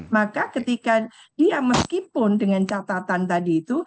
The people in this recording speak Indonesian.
maka ketika dia meskipun dengan catatan tadi itu